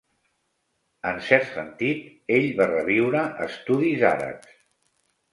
En cert sentit, ell va reviure estudis àrabs.